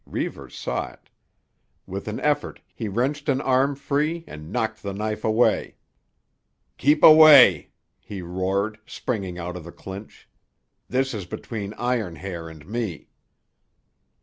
Reivers saw it. With an effort he wrenched an arm free and knocked the knife away. "Keep away!" he roared, springing out of the clinch. "This is between Iron Hair and me."